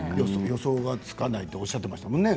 予想がつかないとおっしゃってましたよね